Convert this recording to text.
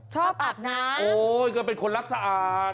ชอบอาบน้ำก็เป็นคนรักสะอาด